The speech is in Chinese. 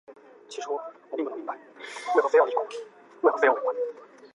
治所在今贵州省开阳县南。